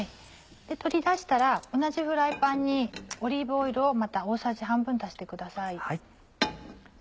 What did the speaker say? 取り出したら同じフライパンにオリーブオイルをまた大さじ半分足してください。